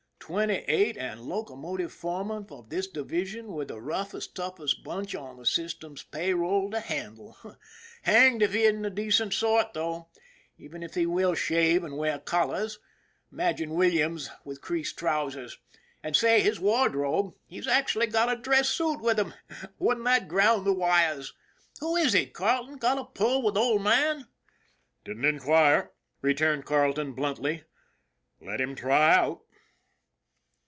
" Twenty eight and locomotive foreman of this divi sion with the roughest, toughest bunch on the system's pay roll to handle ! Hanged if he isn't a decent sort, though, even if he will shave and wear collars. Imagine Williams with creased trousers! And say, his wardrobe he's actually got a dress suit with him ! Wouldn't that ground the wires! Who is he, Car leton ? Got a pull with the Old Man ?"" Didn't inquire," returned Carleton bluntly. " Let him try out."